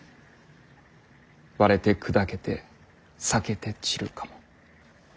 破れて砕けて裂けて散るかも」。